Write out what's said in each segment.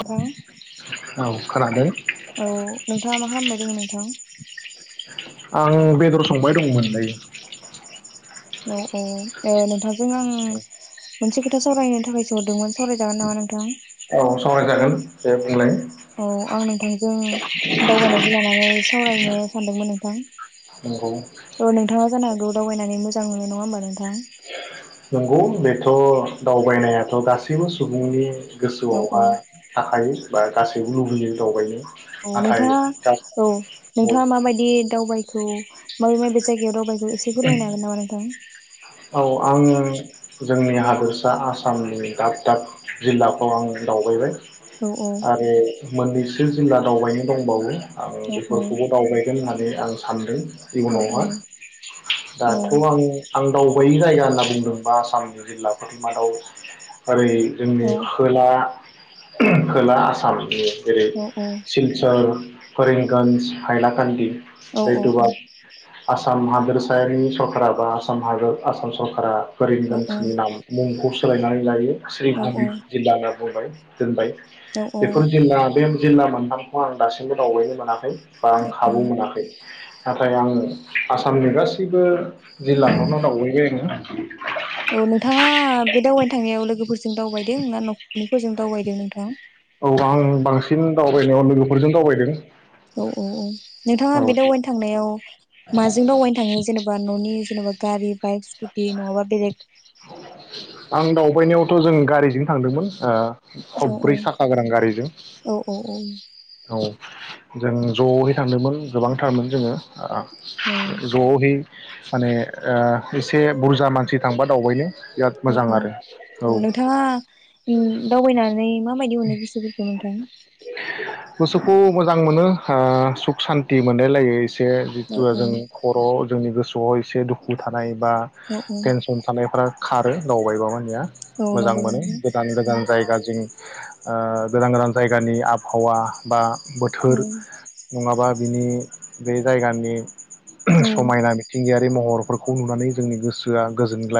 नोंथां औ खोनादों। औ नोंथाङा मा खालामबाय दोङो नोंथां। आं बेदर संबाय दंमोन दायो। औ औ एव नोंथां। जों आं मोनसे खोथा सावरायनो थाखाय सो हरदोंमोन सावरायजागोन नामा नोंथां। औ सावरायजागोन दे बुंलाय औ आं नोंथांजों दावबायनायखौ लानानै सावरायनो सानदोंमोन नोंथां नंगौ औ नोंथाङा जानो हागौ दावबायनानै मोजां। जां मोनो नङा होनबा नोंथां। थां नंगौ बेथ' दावबायनायाथ' गासैबो सुबुंनि औ औ गोसोआवहाय थाखायो। बा गासैबो लुबैयो दावबायनो औ नाथाय नोंथाङा औ औ नोंथाङा माबायदि दावबाय? बेखौ माबे माबे जायगायाव दावबायखो एसे फोरमायनो हागोन नामा नोंथां? औ आङो जोंनि हादोरसा आसामनि दाब दाब जिल्लाफ्राव आं दावबायबाय औ औ आरो मोननैसो जिल्ला दावबायनो दंबावो आं औ बेफोरखौबो दावबायगोन होननानै आं सानदों औ इयुनावहाय औ दाथ' आं आं दावबायै जायगा होनना बुंदोंबा आसामनि जिल्लाफोरनि मादाव ओरै जोंनि खोला खोला आसाम जेरै औ सिलसर करिंमगन्ज हाइलाकान्दि औ औ औ आसाम हादोरसायारि सरकारा बा आसाम हादोर आसाम सरकारा करिमगन्जनि नाम मुंखौ सो सोलायनानै लायो [unintelligible] औ जिल्ला होनना बुंबाय दोनबाय औ औ बेफोर जिल्ला बे जिल्ला मोनथामखौ आं दासिमबो दावबायनो मोनाखै बा आं खाबु औ मोनाखै नाथाय आङो आसामनि गासैबो जिल्लाफोरावनो दावबायबाय आङो औ नोंथाङा बे दावबायनो थांनायाव लोगोफोरजों दावबायदों ना न निफोरजों जों दावबायदों नोंथां? औ आं बांसिन दावबायनायाव लोगोफोरजों दावबायदों । औ औ औ नोंथाङा बे दावबायनो थांनायाव माजों दावबायनो थाङो जेन'बा न'नि जेन'बा गारि, बाइक स्कुटि नङाबा बेलेग [inaudible] आं दावबायनायावथ' जों गारिजों थांदोंमोन ओ औ औ खबब्रै साखा गोनां गारिजों औ औ औ औ जों ज'यै थांदोंमोन गोबांथारमोन जोङो औ ज'है माने ओ एसे बुरजा मानसि थांबा दावबायनो बिराद औ मोजां आरो औ नोंथाङा उम दावबायनानै माबायदि मोनो गोसोफोरखौ नोंथां गोसोखौ मोजां मोनो ओ सुख सानथि मोनलायलायो मोनसे औ जिथु जों खर' जोंनि गोसोआव एसे दुखु थानाय बा औ औ टेनसन थानायफ्रा खारो दावबायबा मानिया औ मोजां नंगौ मोनो नोंथां गोदान गोदान जायगाजों ओ गोदान गोदान जायगानि आबहावा बा औ बोथोर नङाबा बिनि बे जायगानि औ [unintelligible] समायना मिथिंगाया बे महरफोरखौ नुनानै जोंनि गोसो आ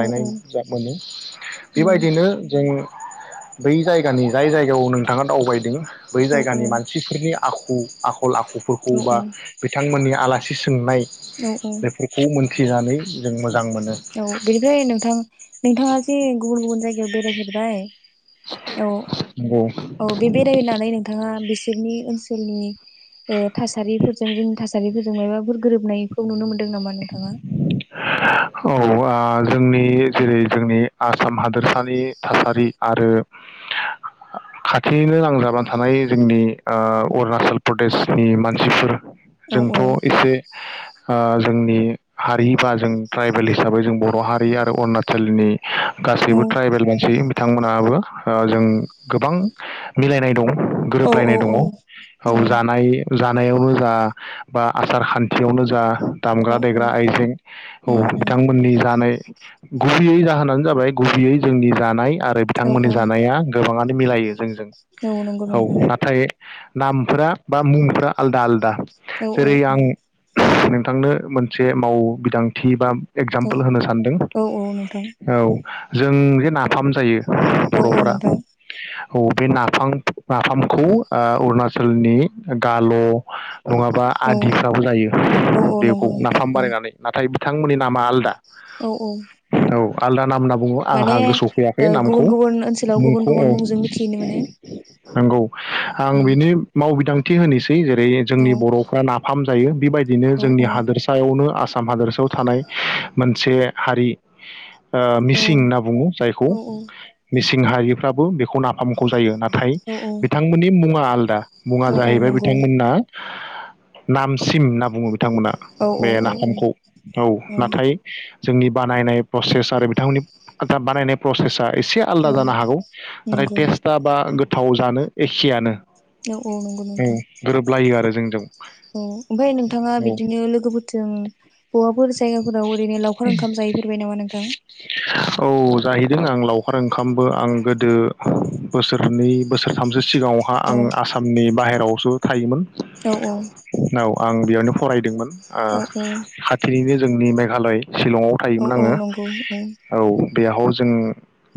औ जा मोनो औ बेबायदिनो जों बै जायगानि जाय जायगायाव नोंथाङा दावबायदों बै जायगानि मानसिफोरनि आखु आ खल आखुफोरखौ बा औ बिथांमोननि आलासि सोंनाय औ औ बेफोरखौ मोन थिनानै जों मो जां मोनो औ बेनिफ्राय नोंथां नोंथाङा जे गुबुन गुबुन जाय गायाव बेरायहैबाय? औ नंगौ औ बे बेरायनानै नोंथाङा बेसे बिसोरनि ओनसोलनि ओ थासारिफोरजों जोंनि थासारिफोरजों माबाफोर गोरोबनायखौ नुनो मोन दों नामा नोंथाङा? औ ओ जोंनि जेरै जोंनि आसाम हादोरसानि थासारि आरो खाथियैनो नांजाबानानै थानाय जोंनि ओ अरुणाचल प्रदेशनि मानसिफोर औ जोंथ' औ एसे आ जोंनि हारि बा जों ट्राइबेल हिसाबै जों बर' हारि आरो उरना चोलनि औ गासैबो ट्राइबेल मानसि बिथांमोन आबो ओ जों गोबां मिलायनाय दं। औ औ गोरोबलायनाय दङ औ जानाय जानायावनो जा बा आसार खान्थियावनो जा औ दामग्रा देग्रा उम आइजें औ उम बिथांमोननि जानोय गुबैयै जाहोनानो जाबाय गुबैयै जोंनि जानाय आरो औ बिथांमोननि जानाया गोबाङानो मिलायो जोंजों। औ नंगौ नोंथां। नामफोरा बा मुंफोरा आलदा आलदा। औ औ उम थांनो मोनसे माव बिदांथि बा औ एगजामपोल होनो सानदों औ औ नोंथां औ जों जे नाफाम जायो औ औ बर'फोरा नोंथां। औ बे नाफाम नाफामखौ ओ अरुणाचलनि गाल' नङाबा औ आदिफ्राबो औ औ जायो। नंगौ नाफाम नोंथां बानायनानै नाथा बिथांमोननि नामा आलदा औ औ औ आलदा नाम ना बुङो आंहा माने गोसोआव ओ फैयाखै गुबुन नामखौ गुबुन ओनसोलाव गुबुन मुंखौ औ गुबुन मुंजों मिथिनो मोनो नोंगौ आं बिनि उम मावबिदां थि होनिस [unintelligible] जेरै जोंनि औ बर'फ्रा नाफाम जायो बेबायदि औ जोंनि हादोरसायावनो आ साम हादोरसायाव थानाय मोनसे हारि ओ औ मिसिं होनना बुङो जायखौ औ मिस सिं हारिफ्राबो बेखौ नाफामखौ जायो नाथ थाइ औ औ बिथांमोननि मुङा आलदा मुङा औ औ जाहैबाय नंगौ बिथांमोनना नामसिम होनना बुङो। बिथांमोना औ बे औ नाफामखौ औ नाथाय जोंनि बानायनाय प्रसेस आरो बिथांमोननि बानायनाय प्रसेस एसे आलदा औ जानो हागौ नाथाय नंगौ टेस्टआ बा गोथाव जानो एखेयानो औ औ नंगौ नोंथां गोरोबलायो आरो जों जों औ ओमफाय नों नोंथाङा बिदिनो लोगोफोरजों बबाफोर जायगाफोराव ओरैनो लावखार ओंखाम जाहैफेरबाय नामा नोंथां? औ जाहैदों आं लावखार ओंखामबो आं गोदो बोसोरनै बोसोरथामसो सिगाङावहा औ आं आसामनि बाहेरायाव आवसो थायोमोन। औ औ औ आं बेयावनो फरायदोंमोन। ओ औ औ खाथिनिनो जोंनि मेघालय शिलंआव औ थायोमोन औ आङो। नंगौ औ बेयाव जों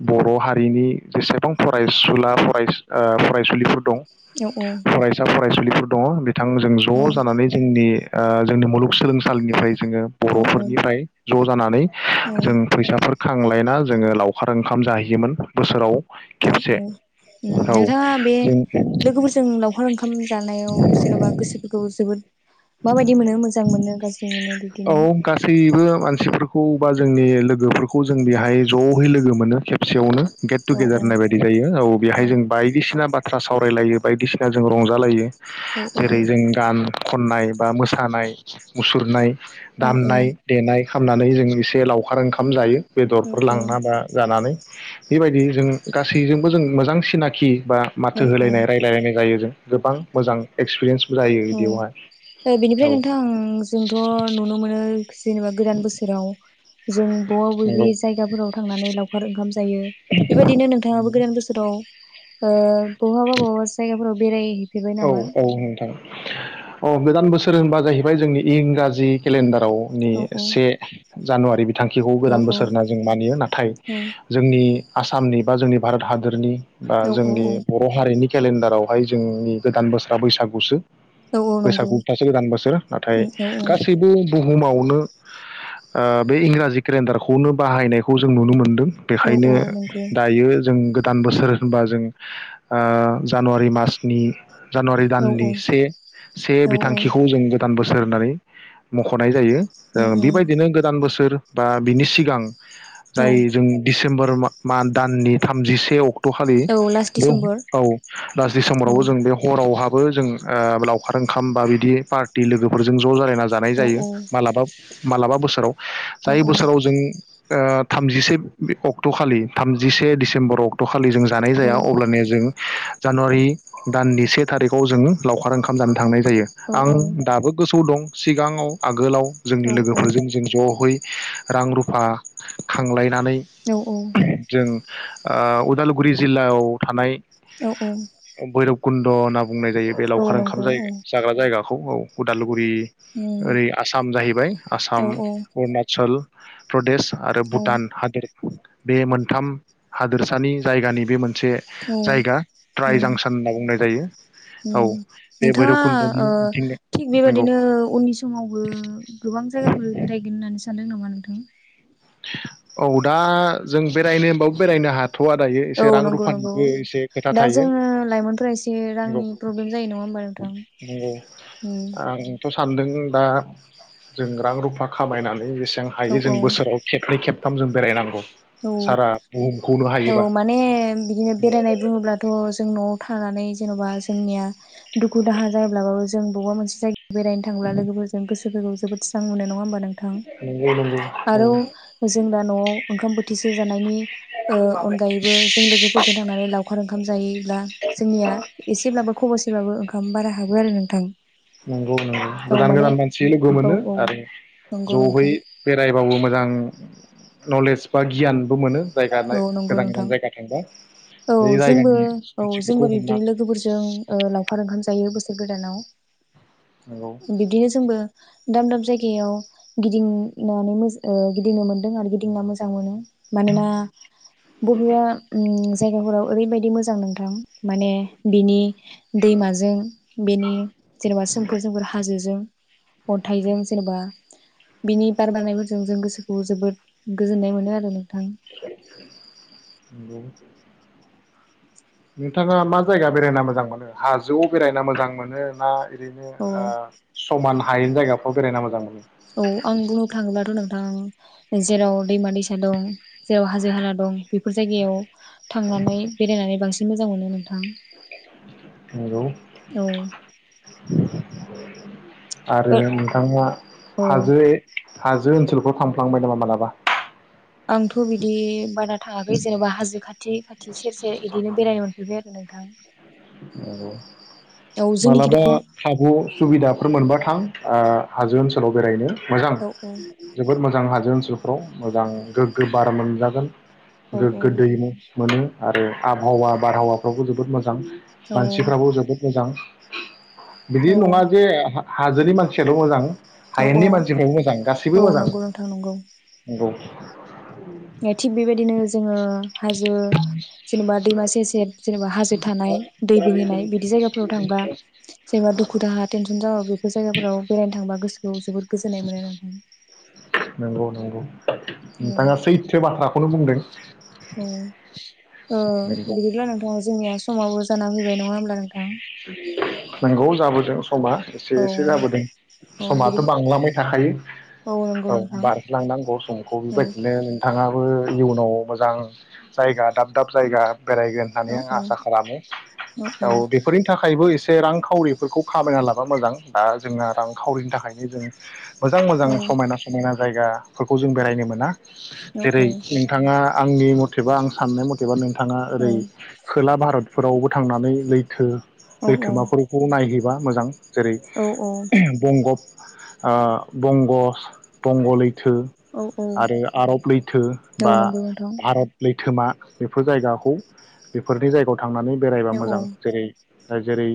बर' हारिनि जेसेबां फरायसुला फराय ओ फरायसुलिफोर दं औ फरायसा फरायसुलिफोर दङ बे बिथांजों औ ज' जानानै जोंनि ओ जोंनि मुलुगसोलोंसालिनिफ्राय जोङो। औ बर'फोरनिफ्राय ज' जानानै जों फैसाफोर खांलायना जोङो लावखार ओंखाम जाहैयोमोन बोसोराव औ खेबसे औ औ नोंथाङा बे जों लोगोफोरजों लावखार ओंखाम जानायाव जेन'बा गोसोफोरखौ जोबोद माबायदि मोनो मोजां मोनो गाज्रि मोनो बिदि औ गासैबो मानसि सिफोरखौ [unintelligible] बा जोंनि लोगोफोरखौ जों बेहाय जयै लोगो मोनो खेबसेयावनो गेट औ टुगेदार औ होननाय बायदि जायो औ बेहाय जों बायदिसिना बाथ्रा सावरायलायो। बायदिसिना जों रंजालायो औ जेरै औ जों गान खननाय बा मोसानाय मुसुरनाय औ दामनाय देनाय खामनानै जों एसे लावखार ओंखाम जायो बेदरफोर औ लांना बा जानानै बेबायदि जों गासैजोंबो जों मोजां सिनाखि बा औ माथो होलायनाय रायलायलायनाय जायो जों गोबां मोजां एक्सपिरियेन्स औ बेनिफ्राय नोंथां जोंथ' नुनो मोनो जेनेबा गोदान बोसोराव जों बबेबा बबेबि नंगौ जायगाफोराव थांनानै लावखार ओंखाम जायो बेबायदिनो नोंथाङाबो गोदान बोसोराव ओ बहाबा बहाबा जायगाफोराव बेराय है औ औ नोंथां ओ गोदान बोसोर होनबा जाहैबाय जोंनि इंराजि केलेन्डार नि औ से जानुवारि बिथांखिखौ औ गोदान बोसोर होनना जों मानियो नाथाय औ जोंनि आसामनि बा जोंनि भारत हादरनि ओ औ औ जोंनि बर' हारिनि केलेन्डारावहाय जोंनि गोदान बोसोरा बैसागुसो औ औ नंगौ बैसागुयासो गोदान बोसोर नाथाय उम औ औ गासैबो बुहुमावनो ओ बे इंराजि केलेन्डारखौनो बाहायनायखौ जों नुनो मोनदों औ बेखायनो औ नंगौ दायो जों गोद गोदान बोसोर होनबा जों ओ जानुवारि मासनि जानुवारि औ दाननि औ से से औ औ बिथांखिखौ जों दान बोसोर होननानै मख'नाय जायो ओ उम उम बेबायदिनो गोदान बोसोर बा बिनि सिगां औ जाय जों दिसेम्बर मा दाननि थामजिसे अक्ट खालि औ लास्ट बे डिसेम्बर औ लास औ दिसेम्बरावबो जों बे गावहाबो जों ओ लावखार ओंखाम बा बिदि पार्टि लोगोफोरजों ज' जालाय जानाय औ जायो मालाबा मालाबा बोसोराव औ जाय औ बोसोराव जों ओ थामजिसे अक्ट'खालि थामजिसे दिडिसेम्बर अक्ट' खालि जों जानाय जाया औ अब्लानिया जों जानुवारि दाननि से थारिखआव जोङो लावखार ओंखाम जानो थांनाय जायो औ आं दाबो गोसोआव दं। सिगाङाव आगोलाव औ जोंनि औ लोगोफोरजों जों ज'है रां रुफा खांलाय नानै औ जों आ उदालगुरि जिल्लायाव थानाय औ औ [unintelligible] बुंनाय जायो बे औ लावखार ओंखाम नंगौ जाय औ जाग्रा जायगाखौ औ अदालु गुरि उम ओरै आसाम जाहैबाय औ आसाम औ अरुनाचल प्रदेश आरो औ भुटान उम हादोर बे मोनथाम हादोरसानि जायगानि बे मोन मोनसे जायगा ट्राइ जांसान होनना बुंनाय जायो औ उम बे नोंथाङा भैरबकुन्द'नि ओ मिथिंगा थिग नंगौ बेबायदिनो उननि समावबो गोबां जायगाफोर बेरायगोन होननानै नो सानदों नामा नोंथां? [inaudible] औ दा जों बेरायनो [unintelligible] बेरायनो हाथ थ'वा दायो औ एसे रां नंगौ नंगौ रुफानिबो एसे खोथा दा थायो जोङो लाइमोनफोरा एसे नंगौ रांनि प्रब्लेम जायो नङा होमबा नोंथां? नंगौ उम आंथ' सानदों दा जों रां रुफा खामायनानै इस औ हायो जों औ बोसोराव खेबनै खेबथामजों बेरायनांगौ। औ सारा बुहुमखौनो औ हायोबा माने बिदिनो बेरायनाय बुङोब्लाथ' जों न'आव थानानै जेन'बा जोंनिया दुखु-दाहा जायोब्लाबो जों बबा मोन जायगायाव बेरायनो थांब्ला लोगोफोरजों गोसो गोरबोआव जोबोद स्रां मोनो। नङा होनोबा? नोंथां नंगौ नंगौ औ आरो जोंदा न'आव ओंखाम बोथ सो जानायनि ओ अनगायैबो जों लोगोफोरजों थांनानै लावखार ओंखाम जाहैयोब्ला जोंनिया एसेब्लाबो खबसेब्लाबो बो ओंखाम बारा हाबो आरो नोंथां। नंगौ नंगौ औ गोदान माने गोदान मानसि लोगो औ मोनो औ आरो नंगौ ज'है नोंथां बेराय रावबो मोजां नलेज बा गियानबो मोनो। जायगा औ नंगौ गोदान नोंथां गोदान जायगा थांबा औ बे जोंबो जायगानि औ मानसिफोरखौ जोंबो हमना बिब्दिनो लोगोफोरजों ओ लावखार ओंखाम जायो। बोसोर गोदानाव नंगौ बिब्दिनो जोंबो दाब दाब जायगायाव गिदिंनानै ओ गिदिंनो मोनदों आरो गिदिंना मोजां मोनो। मानोना बबेबा ओम जायगाफोराव ओरैबायदि मोजां नोंथां माने बिनि दैमाजों बेनि जेनेबा सोम [unintelligible] हाजोजों अनथाइजों जेनेबा बिनि बार बारनायफोरजों जों गोसोखौ जोबोद गोजोननाय मोनो आरो नों थां नोंथाङा मा जायगा बेरायना मोजां मोनो हाजोआव बेरायना मोजां मोनो ना। बिनो औ आ समान हायै जायगाफोव बेरायना मोजां मोनो। औ आं बुंनो थाङोब्लाथ' नों ओं जेराव दैमा दैसा दं। जेराव हाजो-हाला दं बेफोर जायगायाव थांनानै बेरायनानै बांसिन मोजां मोनो नोंथां। नंगौ औ [inaudible] आरो ओ नोंथाङा औ हाजो हाजो ज ओनसोलखौाव थांफ्लांबाय नामा मालाबा? आंथ' बिदि बारा थाङाखै जेनेबा हाजो खाथि खाथि सेर सेर बिदिनो बेरायनो मोनफैबाय आरो नोंथां। औ जोंनिखिथ' मालाबा औ खाबु सुबिदाफोर मोनो। मोनबाथां ओ हाजो ओनसोलाव बेरायनो मोजां औ जोबोद मोजां हाजो ओनसोल फ्राव जोबोद मोजां गोग्गो बार मोनजागोन। औ गोग्गो दैैमु मोनो आरो आबहावा बारहावाफ्रावबो जोबोद मोजां मोजां मानसिफ्राबो जोबोद मोजां बिदि औ नङा जे हा हाजोनि मानसियाल' मोजां औ औ हायेननि मानसिफ्राबो मोजां गासैबो औ मोजां नंगौ नोंथां नंगौ नोंगौ। थिग बेबायदिनो जोङो हाज बो जेनेबा दैमा सेर सेेर जेनेबा हाजो थानाय दै बोहैनाय बिदि जायगाफोराव थांब्ला जेनेबा दुखु दाहा टेनसन जाबा बेफोर जायगाफोराव बेरायनो थांबा गोसो जोबोद गोजोननाय मोनो नोंथां। नोंगौ नोंगौ। नोंथाङा सैथो बाथ्रा खौनो बुंदों। औ ओ नंगौ बिदिब्ला नोंथां जोंनिया समाबो जाना फैबाय नङा होम [inaudible] नोंगौ जाबो जों समा एसे औ एसे जाबोदों औ समाथ' बिदि बांलांबाय थाखायो नंगौ औ नोंथां बारज्लांनांगौ समखौ औ बेबायदिनो नोंथाङा बो इयुनाव मोजां जायगा दाब दाब जायगा बेरायगोन होननानै औ आं आसा खालामो औ बे फोरनि थाखायबो एस से रांखावरिफोरखौ खामायना लाबा मोजां दा जोंना रांखावरिनि थाखायनो जों मोजां मोजां समायना समायना जायगाफोरखौ जों बेरायनो मोना। औ जेरै औ नोंथाङा आंनि मथेबा आं साननाय मथेबा नों थाङा ओरै खोला भारत फोरावबो थांनानै लै थो लैथोमाफोरखौ नायहै बा मोजां। जेरै बंगब ओ बंगस बंग लै थो औ आरो औ आरब लैथो बा औ नंगौ नोंथां भारत लैथोमा बेफोर जायगाखौ बेफोरनि जायगायाव थांनानै बेरायबा औ औ मोजां जेरै जेरै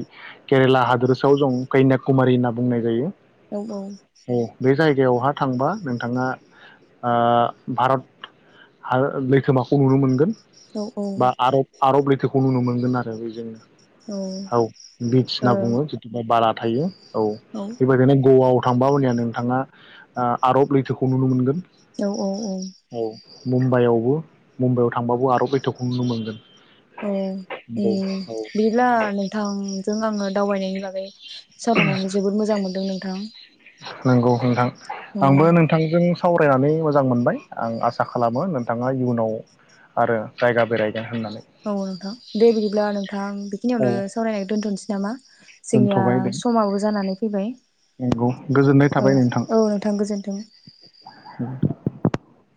केरेला हादोरसायाव जों कन्याकुमारि होनना बुंनाय जायो औ औ गायावहा थांबा नोंथाङा ओ भारत लैथोमाखौ नुनो मोनगोन औ ओ बा आरब आरब लैथो खौ नुनो मोनगोन आरो बेजोंनो औ बिष औ होनना बुङो जुदिबा बाला थायो औ बेबायदिनो गवा थांबा अब्लानिया नोंथाङा ओ आरब लैथोखौ नुनो मोनगोन औ औ औ मुम्बाइआवबो मुम्बाइआव थांबाबो आरब लैथोखौ नुनो मोनगोन औ उम नंगौ बिदिब्ला नोंथांजों आङो दावबायनायनि बागै सावरायनानै जोबोद मोजां मोनदों नोंथां नंगौ नोंथां औ आंबो नोंथांजों सावरायनानै मोजां मोनबाय आं आसा खालामो नोंथाङा इयुनाव आरो जायगा बेराय औ नोंथां दे बिदिब्ला नोंथां औ बेखिनियावनो सावरायनायखौ दोनथ'नोसै नामा जोंनिया दोनथ'बाय दे समाबो जानानै फैबाय नंगौ गोजोननाय औ थाबाय नोंथां औ नोंथां गोजोन्थों [unintelligible]